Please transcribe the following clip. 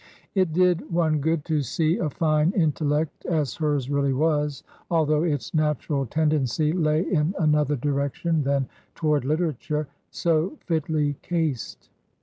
It did one good to see a fine intellect (as hers really was, although its natural tendency lay in another direction than toward literature) so fitly cased.